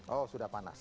oh sudah panas